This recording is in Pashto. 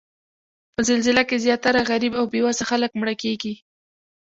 په زلزله کې زیاتره غریب او بې وسه خلک مړه کیږي